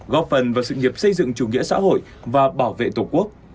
góp phần vào sự nghiệp xây dựng chủ nghĩa xã hội và bảo vệ tổ quốc